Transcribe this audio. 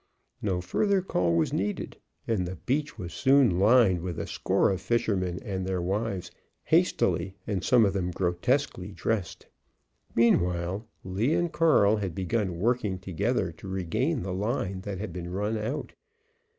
No further call was needed, and the beach was soon lined with a score of fishermen and their wives, hastily and some of them grotesquely dressed. Meanwhile, Lee and Carl had begun working together to regain the line that had been run out.